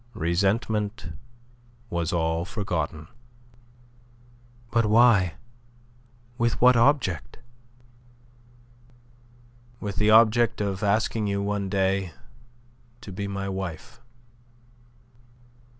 Resentment was all forgotten. "But why? With what object?" "With the object of asking you one day to be my wife."